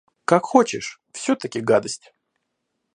Как хочешь, всё- таки гадость!